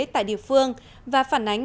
tại địa phương và phản ánh